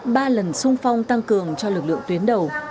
ba lần sung phong tăng cường cho lực lượng tuyến đầu